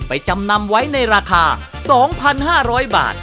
จำนำไว้ในราคา๒๕๐๐บาท